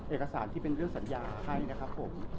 เอกสารที่เป็นเรื่องสัญญาให้นะครับผม